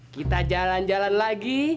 kita jalan jalan lagi